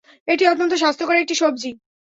এটি অত্যন্ত স্বাস্থ্যকর একটি সবজি।